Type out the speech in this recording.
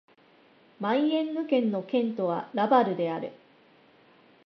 マイエンヌ県の県都はラヴァルである